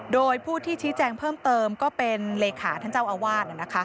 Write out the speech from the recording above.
โดยผู้ที่ชี้แจงเพิ่มเติมก็เป็นเลขาท่านเจ้าอาวาส